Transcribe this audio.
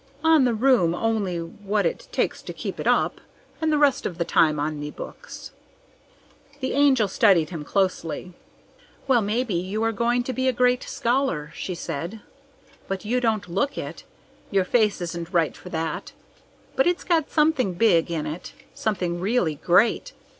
"On the room only what it takes to keep it up, and the rest of the time on me books." The Angel studied him closely. "Well, maybe you are going to be a great scholar," she said, "but you don't look it. Your face isn't right for that, but it's got something big in it something really great.